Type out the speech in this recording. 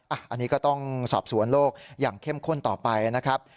อันนี้ก็ต้องสอบสวนโลกอย่างเข้มข้นต่อไปนะครับ